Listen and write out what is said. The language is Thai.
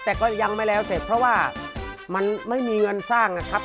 แต่ก็ยังไม่แล้วเสร็จเพราะว่ามันไม่มีเงินสร้างนะครับ